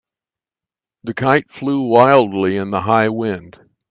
The kite flew wildly in the high wind.